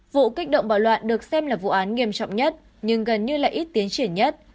vụ kích động bạo loạn được xem là vụ án nghiêm trọng nhất nhưng gần như lại ít tiến triển nhất